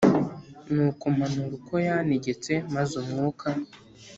Nuko mpanura uko yantegetse maze umwuka